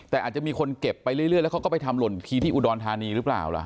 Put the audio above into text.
แต่อาจจะมีคนเก็บไปเรื่อยแล้วเขาก็ไปทำหล่นทีที่อุดรธานีหรือเปล่าล่ะ